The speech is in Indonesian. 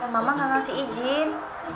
ma gak ngasih izin